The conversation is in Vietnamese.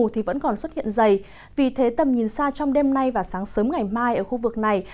thì vẫn còn xuất hiện dày vì thế tầm nhìn xa trong đêm nay và sáng sớm ngày mai ở khu vực này